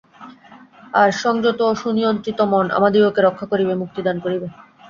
আর সংযত ও সুনিয়ন্ত্রিত মন আমাদিগকে রক্ষা করিবে, মুক্তিদান করিবে।